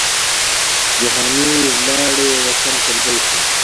جهاني ولاړې وطن پردی سو